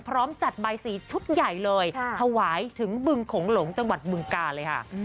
พร้อมจัดใบสีชุดใหญ่เลยถวายถึงบึงโขงหลงจังหวัดบึงกาเลยค่ะ